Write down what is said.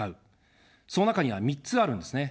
その中には３つあるんですね。